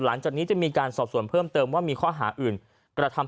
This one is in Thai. หลังจากนี้จะมีการสอบส่วนเพิ่มเติมว่ามีข้อหาอื่นกระทำ